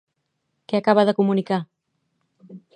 Què acaba de comunicar?